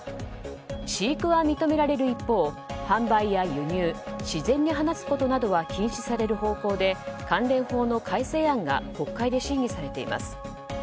飼育は認められる一方販売や輸入自然に放つことなどは禁止される方向で関連法の改正案が国会で審議されています。